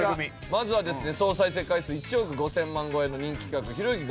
まずはですね総再生回数１億５０００万超えの人気企画ひろゆき